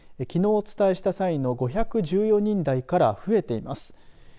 きのうお伝えした際の５１４人台から増えています。